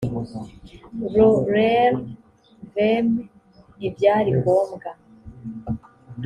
le rel veme ntibyari ngombwa